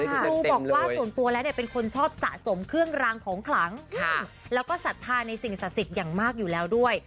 ครูบอกว่าส่วนตัวแล้วเนี่ยเป็นคนชอบสะสมเครื่องรางของขลังแล้วก็ศรัทธาในสิ่งศักดิ์สิทธิ์อย่างมากอยู่แล้วด้วย